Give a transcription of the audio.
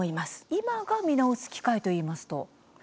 今が見直す機会といいますと？